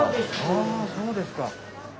あそうですか。